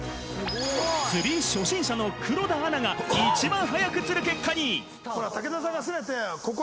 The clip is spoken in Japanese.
釣り初心者の黒田アナが、一番早く釣る結果に。